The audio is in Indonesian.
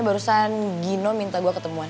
barusan gino minta gue ketemuan